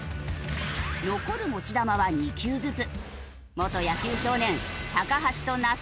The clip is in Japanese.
残る持ち球は２球ずつ。